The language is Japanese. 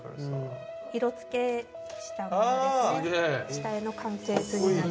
下絵の完成図になります。